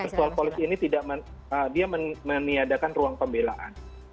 virtual polisi ini tidak dia meniadakan ruang pembelaan